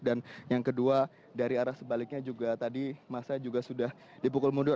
dan yang kedua dari arah sebaliknya juga tadi masa juga sudah dipukul mundur